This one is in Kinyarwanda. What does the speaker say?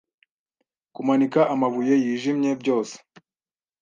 Kumanika amabuye yijimye byose